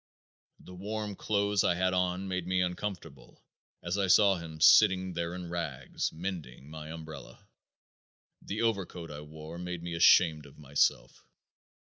The warm clothes I had on made me uncomfortable as I saw him sitting there in rags mending my umbrella. The overcoat I wore made me ashamed of myself.